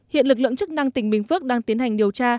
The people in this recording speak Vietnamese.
hiện lực lượng chức năng tỉnh bình phước đang tiến hành điều tra